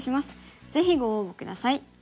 ぜひご応募下さい。